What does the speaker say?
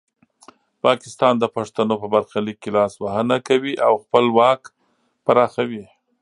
پاکستان د پښتنو په برخلیک کې لاسوهنه کوي او خپل واک پراخوي.